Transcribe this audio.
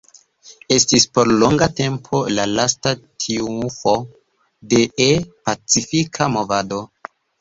Estis por longa tempo la lasta triumfo de E-pacifista movado.